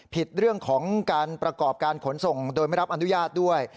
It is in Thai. เรื่องของการประกอบการขนส่งโดยไม่รับอนุญาตด้วย